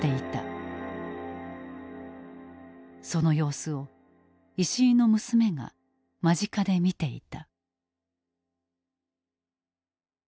その様子を石井の娘が間近で見ていた。